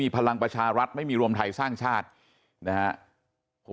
พลังประชารัฐไม่มีรวมไทยสร้างชาตินะครับ